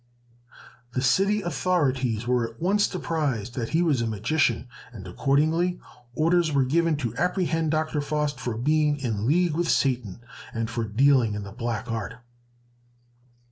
The city authorities were at once apprised that he was a magician! And accordingly orders were given to apprehend Dr. Faust for being in league with Satan, and for dealing in the black art.